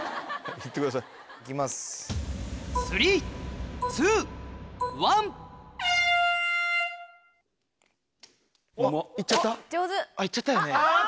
いっちゃったよね。